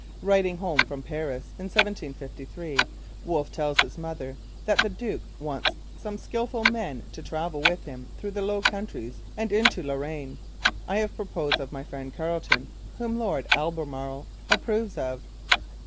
Writing home from Paris in 1753 Wolfe tells his mother that the duke 'wants some skilful man to travel with him through the Low Countries and into Lorraine. I have proposed my friend Carleton, whom Lord Albemarle approves of.'